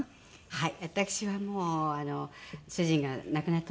はい。